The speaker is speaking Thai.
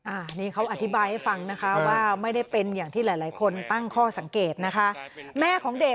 อันนี้เขาอธิบายให้ฟังนะคะว่าไม่ได้เป็นอย่างที่หลายคนตั้งข้อสังเกตนะคะแม่ของเด็ก